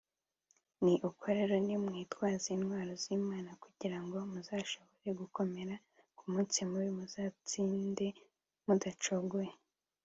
Ni uko rero nimwitwaze intwaro z'Imana, kugira ngo muzashobore gukomera kumunsi mubi, muzatsinde mudacyogoye.